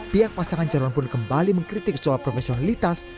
pihak pasangan calon pun kembali mengkritik soal profesionalitas